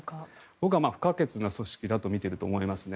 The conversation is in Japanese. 僕は不可欠な組織だと見ていると思いますね。